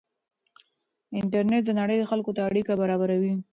انټرنېټ د نړۍ خلکو ته اړیکه برابروي.